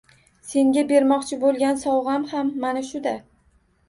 — Senga bermoqchi bo‘lgan sovg‘am ham mana shuda...